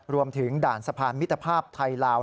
รวมถึงด่านสะพานมิทธภาพไทยลาว